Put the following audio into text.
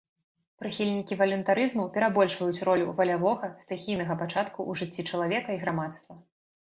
Прыхільнікі валюнтарызму перабольшваюць ролю валявога, стыхійнага пачатку ў жыцці чалавека і грамадства.